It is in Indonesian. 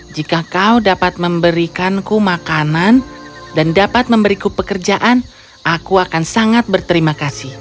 jika kau dapat memberikanku makanan dan dapat memberiku pekerjaan aku akan sangat berterima kasih